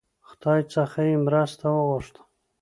خدای څخه یې مرسته وغوښته.